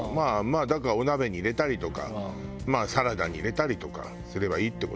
まあだからお鍋に入れたりとかまあサラダに入れたりとかすればいいって事？